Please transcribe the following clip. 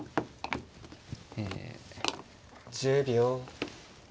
１０秒。